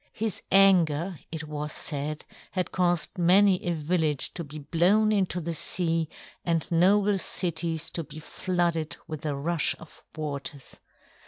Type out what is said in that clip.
His anger, it was said, had caused many a village to be blown into the sea and noble cities to be flooded with a rush of waters.